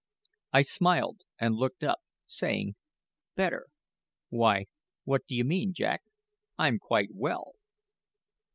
I smiled and looked up, saying, "Better! Why, what do you mean, Jack? I'm quite well."